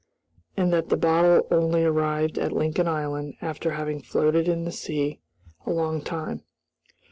"And that the bottle only arrived at Lincoln Island after having floated in the sea a long time."